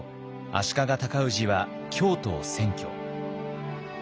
足利尊氏は京都を占拠。